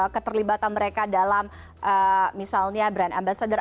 keterlibatan mereka dalam misalnya brand ambassador